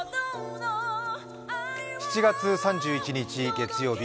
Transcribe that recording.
７月３１日月曜日。